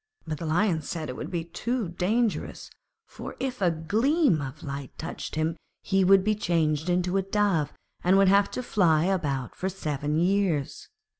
But the Lion said it would be too dangerous, for if a gleam of light touched him he would be changed into a Dove and would have to fly about for seven years.